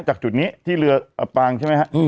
จากจุดนี้ที่เรืออับปางใช่ไหมฮะ